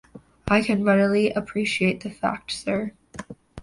I can readily appreciate the fact, sir.